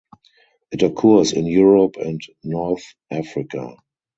It occurs in Europe and North Africa.